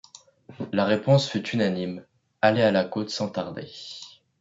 La réponse fut unanime: aller à la côte sans tarder.